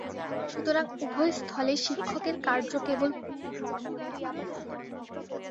সুতরাং উভয় স্থলেই শিক্ষকের কার্য কেবল পথ থেকে সব অন্তরায় সরিয়ে দেওয়া।